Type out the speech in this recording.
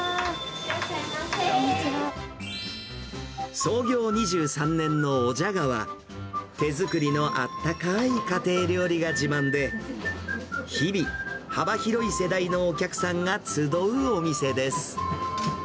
創業２３年のおじゃがは、手作りのあったかい家庭料理が自慢で、日々、幅広い世代のお客さんが集うお店です。